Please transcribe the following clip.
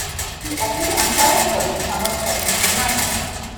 He attended the Hampshire College Summer Studies in Mathematics.